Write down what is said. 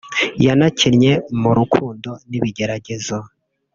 yanakinnye mu « rukundo n’ibigeragezo »